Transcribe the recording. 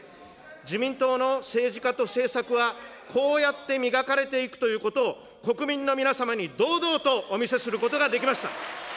自民党の政治家と政策はこうやって磨かれていくということを、国民の皆様に堂々とお見せすることができました。